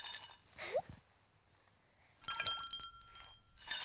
フフッ。